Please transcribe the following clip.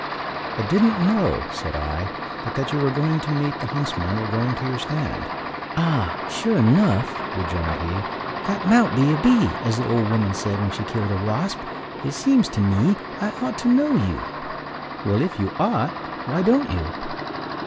"I didn't know," said I, "but that you were going to meet the huntsmen, or going to your stand." "Ah, sure enough," rejoined he, "that mout be a bee, as the old woman said when she killed a wasp. It seems to me I ought to know you." "Well, if you ought, why don't you?"